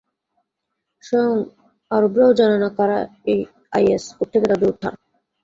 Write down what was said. স্বয়ং আরবরাও জানে না কারা এই আইএস, কোত্থেকে তাদের উত্থান।